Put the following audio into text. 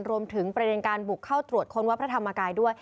รวมถึงประเด็นการบุกเข้าตรวจค้นวัดพระธรรมกายด้วย